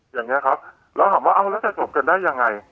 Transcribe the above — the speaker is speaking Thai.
อย่างนี้ครับแล้วถามว่าเอาแล้วจะจบกันได้ยังไง